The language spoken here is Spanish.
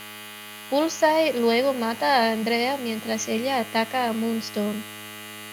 Bullseye luego mata a Andrea mientras ella ataca a Moonstone.